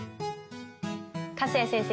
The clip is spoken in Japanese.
粕谷先生